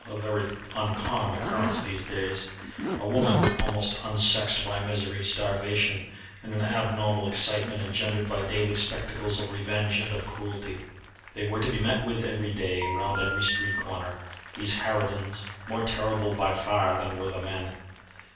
a very uncommon occurrence these days: a woman almost unsexed by misery, starvation, and the abnormal excitement engendered by daily spectacles of revenge and of cruelty. They were to be met with every day, round every street corner, these harridans, more terrible far than were the men.